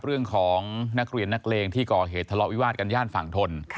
เรื่องของนักเรียนนักเลงที่ก่อเหตุทะเลาะวิวาสกันย่านฝั่งทน